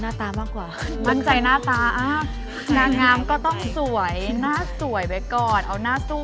น้องเขาสูงเท่าไร